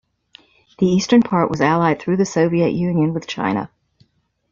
The Eastern part was allied through the Soviet Union with China.